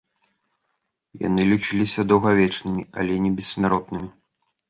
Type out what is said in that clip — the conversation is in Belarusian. Яны лічыліся даўгавечнымі, але не бессмяротнымі.